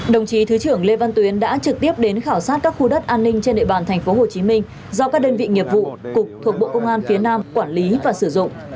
đồng chí thứ trưởng lê văn tuyến đã trực tiếp đến khảo sát các khu đất an ninh trên địa bàn tp hcm do các đơn vị nghiệp vụ cục thuộc bộ công an phía nam quản lý và sử dụng